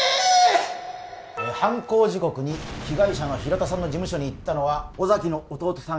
犯行時刻に被害者の平田さんの事務所に行ったのは尾崎の弟さん